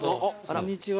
こんにちは。